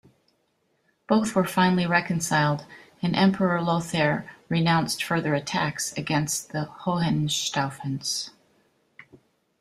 Both were finally reconciled and Emperor Lothair renounced further attacks against the Hohenstaufens.